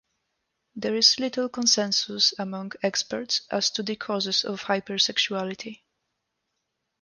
There is little consensus among experts as to the causes of hypersexuality.